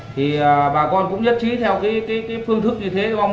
thì bà con cũng nhất trí theo cái phương thức như thế